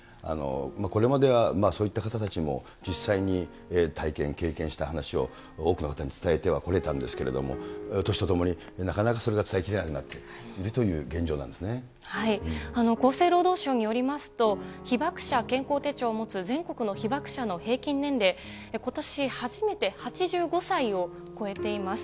これまではそういった方たちも実際に体験、経験した話を多くの方に伝えてはこれたんですけれども、年とともに、なかなかそれが伝えきれなくなっているという現状な厚生労働省によりますと、被爆者健康手帳を持つ全国の被爆者の平均年齢、ことし初めて８５歳を超えています。